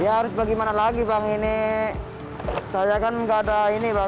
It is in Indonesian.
ya harus bagaimana lagi bang ini saya kan nggak ada ini bang